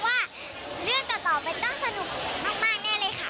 ค่ะอย่าลืมดูแล้วนะคะละครของน้องเตอร์ไปเรื่อยนะคะ